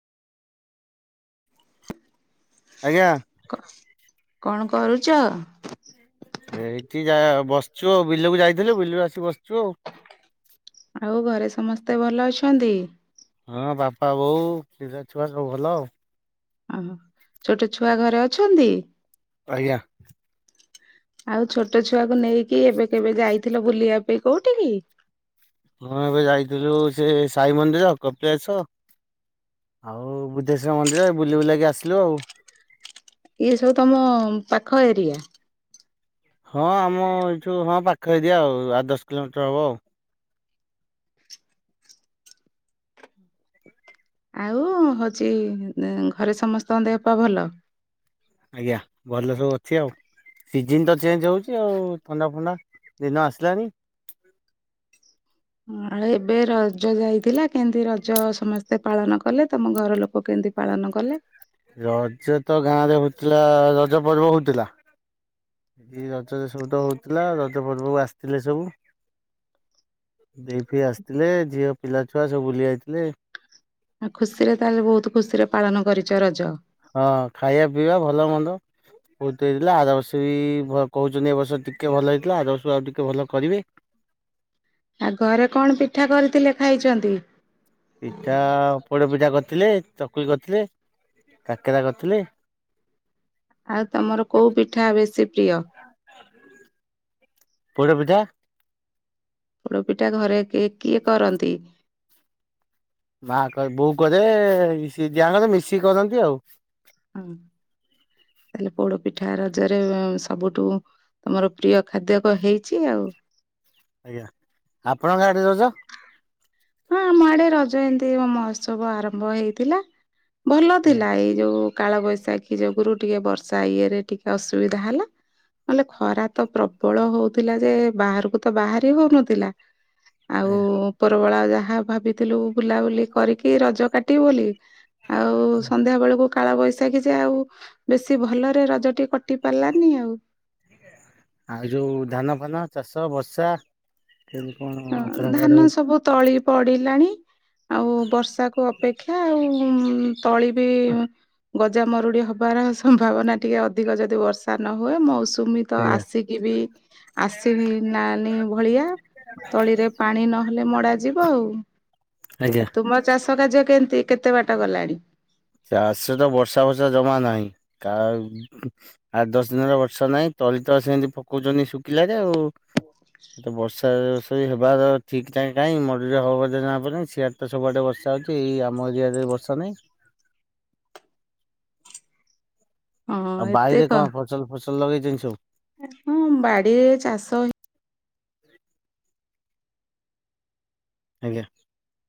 ଆଜ୍ଞା। କଣ କରୁଚ? ଏଇଠି ଯା ବସିଚୁ ଆଉ ବିଲକୁ ଯାଇଥିଲୁ ବିଲରୁ ଆସି ବସିଚୁ ଆଉ। ଆଉ ଘରେ ସମସ୍ତେ ଭଲ ଅଛନ୍ତି। ହଁ ବାପା ବୋଉ ପିଲା ଛୁଆ ସବୁ ଭଲ ଆଉ। ଓହୋ ଛୋଟ ଛୁଆ ଘରେ ଅଛନ୍ତି? ଆଜ୍ଞା। ଆଉ ଛୋଟ ଛୁଆକୁ ନେଇକି ଏବେ କେବେ ଯାଇଥିଲ ବୁଲିବା ପାଇଁ କୋଉଠି କି? ହଣ ଏବେ ଯାଇଥିଲୁ ସେ ସାଇ ମନ୍ଦିର, କପିଳାସ। ଆଉ ବୁଦ୍ଧେଶ୍ୱର ମନ୍ଦିର ବୁଲି ବୁଲାକି ଆସିଲୁ ଆଉ। ଇଏ ସବୁ ତମ ପାଖ ଏରିଆ। ହଁ ଆମ ଏଠୁ ହଁ ପାଖ ଏରିଆ ଆଉ ଆ ଦଶ କିଲୋମିଟର ହବ ଆଉ। ଆଉ ହଉଚି ଘରେ ସମସ୍ତଙ୍କ ଦେହ ପା ଭଲ। ଆଜ୍ଞା ଭଲ ସବୁ ଅଛି ଆଉ। ସିଜନ୍ ତ ଚେଞ୍ଜ ହଉଚି ଆଉ ଥଣ୍ଡା ଫଣ୍ଡା ଦିନ ଆସିଲାଣି। ହ ଆଉ ଏବେ ରଜ ଯାଇଥିଲା କେମତି ରଜ ସମସ୍ତେ ପାଳନ କଲେ ତମ ଘର ଲୋକ କେମିତି ପାଳନ କଲେ। ରଜ ତ ଗାଁରେ ହଉଥିଲା ରଜ ପର୍ବ ହଉଥିଲା। ଏଇ ରଜରେ ସବୁ ତ ହଉଥିଲା ରଜ ପର୍ବକୁ ଆସିଥିଲେ ସବୁ। ଦେଇ ଫି ଆସିଥିଲେ ଝିଅ ପିଲା ଛୁଆ ସବୁ ବୁଲି ଆଇ ଥିଲେ। ଆ ଖୁସିରେ ତାହେଲେ ବହୁତ ଖୁସିରେ ପାଳନ କରିଚ ରଜ। ହଁ ଖାଇବା ପିଇବା ଭଲ ମନ୍ଦ। ବହୁତ ହେଇଥିଲା ଆର ବର୍ଷ ବି ଭ କହୁଛନ୍ତି ଏ ବର୍ଷ ଟିକେ ଭଲ ହେଇଥିଲା ଆର ବର୍ଷ ଆଉ ଟିକେ ଭଲ କରିବେ। ଆଉ ଘରେ କଣ ପିଠା କରିଥିଲେ ଖାଇଚନ୍ତି? ପିଠା ପୋଡ଼ ପିଠା କରିଥିଲେ ଚକୁଳି କରିଥିଲେ କାକେରା କରିଥିଲେ। ଆଉ ତମର କୋଉ ପିଠା ବେଶୀ ପ୍ରିୟ? ପଇଡ ପିଠା। ପୋଡ଼ ପିଠା ଘରେ କିଏ କିଏ କରନ୍ତି? ମା କର ବୋଉ କରେ [unintelligible] ମିଶିକି କରନ୍ତି ଆଉ। ହଁ ତାହେଲେ ପୋଡ ପିଠା ରଜରେ ସବୁଠୁ। ତମର ପ୍ରିୟ ଖାଦ୍ୟ କ ହେଇଛି ଆଉ। ଆଜ୍ଞା ଆପଣଙ୍କ ଆଡେ ରଜ ହଁ ଆମ ଆଡେ ରଜ ଏମିତି ମହୋତ୍ସବ ଆରମ୍ଭ ହେଇଥିଲା ଭଲ ଆଜ୍ଞା ଥିଲା ଏଇ ଯଉ କାଳବୈଶାଖୀ ଯୋଗୁରୁ ଟିକେ ବର୍ଷା ଇଏରେ ଟିକେ ଅସୁବିଧା ହେଲା ନହେଲେ ଖରା ତ ପ୍ରବଳ ହଉଥିଲା ଯେ ବାହାରକୁ ତ ବାହାରି ହଉନଥିଲା ଆଜ୍ଞା। ଉପର ବଳା ଯାହା ଭାବିଥିଲୁ ବୁଲାବୁଲି କରିକି ରଜ କାଟିବୁ ବୋଲି ଆଉ ସନ୍ଧ୍ୟା ବେଳକୁ କାଳବୈଶାଖୀ ଯେ ଆଉ ବେଶୀ ଭଲରେ ରଜ ଟି କଟି ପାରିଲାନି ଆଉ। ଆଉ ଏଯଉ ଧାନ ଫାନ ଚାଷ ବର୍ଷା ସେଠୁ କଣ ହଁ ଆପଣଙ୍କ ଆଡେ ଧାନ ହଉଛି ସବୁ ତଳି ପଡିଲାଣି ଆଉ ବର୍ଷା କୁ ଅ ଅପେକ୍ଷା ଆଉ ତଳି ବି ଗଜାମରୁଡ଼ି ହବାର ସମ୍ଭାବନା ଟିକେ ଅଧିକ ଯଦି ବର୍ଷା ନ ହୁଏ ମୌସୁ ସୁମୀ ତ ଆଜ୍ଞା ଆସିକି ବି ଆସିି ନା ନି ଭଳିଆ। ତଳିରେ ପାଣି ନହେଲେ ମଡା ଯିବ ଆଉ ଆଜ୍ଞା ଏ- ତୁମର୍ ଚାଷ କାର୍ଯ୍ୟ କେମିତି କେତେ ବାଟ ଗଲାଣି? ଚାଷ ତ ବର୍ଷା ବର୍ଷା ଜମା ନାହିଁ କା ଆଠ ଦଶ ଦିନ୍ ହେଲା ବର୍ଷା ନାହିଁ ତଳି ତ ସେମିତି ପକଉଚନ୍ତି ଶୁକିଲା ରେ ଆଉ। [unintelligible] ତ ସବୁଆଡ଼େ ବର୍ଷା ହଉଚି ଏଇ ଆମ ଏରିଆରେ ବର୍ଷା ନାହିଁ। ହଁ ଆଉ ଏତେ ବାଇରେ କଣ ଫସଲ- ଫସଲ ଲଗେଇଚନ୍ତି ସବୁ? ହୁଁ- ବାଡିରେ ଚାଷ ଆଜ୍ଞା।